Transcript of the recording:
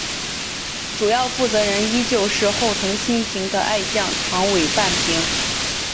主要负责人依旧是后藤新平的爱将长尾半平。